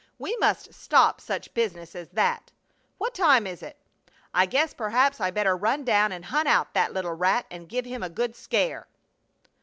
We must stop such business as that. What time is it? I guess perhaps I better run down and hunt out that little rat and give him a good scare."